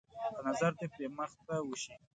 که نظر د پري مخ ته وشي.